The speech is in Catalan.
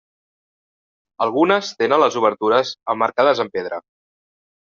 Algunes tenen les obertures emmarcades en pedra.